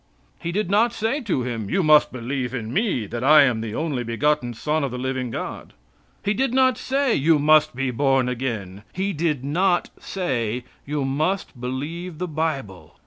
He did not say to him: "You must believe in Me that I am the only begotten Son of the living God." He did not say: "You must be born again." He did not say: "You must believe the Bible."